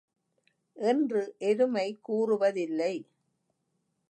என்று எருமை கூறுவதில்லை.